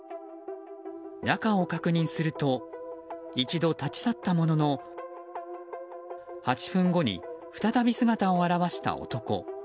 中を確認すると一度立ち去ったものの８分後に再び姿を現した男。